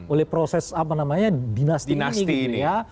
oleh proses apa namanya dinasti ini gitu ya